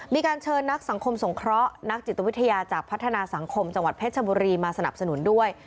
มีการเชิญนักสังคมสงเคราะห์นักจิตวิทยาจากพัฒนาสังคมจังหวัดเพชรบุรีมาสนับสนุนด้วย